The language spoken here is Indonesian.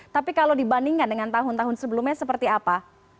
tapi kalau dibandingkan dengan tahun tahun sebelumnya seperti apa